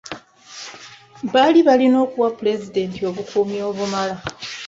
Baali balina okuwa pulezidenti obukuumi obumala.